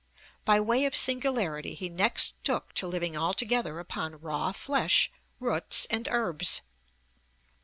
By way of singularity he next took to living altogether upon raw flesh, roots, and herbs (p.